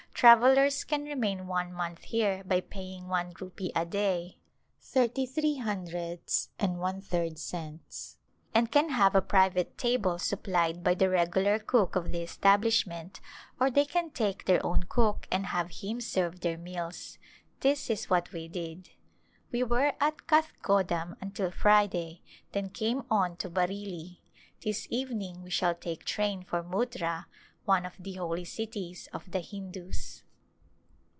Travellers can remain one month here by paying one rupee a day (0.33^ cts.) and can have a private table supplied by the regular cook of the establishment or they can take their own cook and have him serve their meals. This is what we did. We were at Kathgodam until Friday, then came on to Bareilly. This evening we shall take train for Muttra, one of the holy cities of the Hindus.